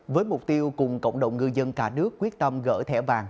với mục tiêu cùng cộng đồng ngư dân cả nước quyết tâm gỡ thẻ vàng